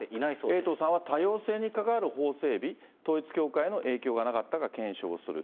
エイトさんは多様性に関わる法整備、統一教会の影響がなかったか検証する。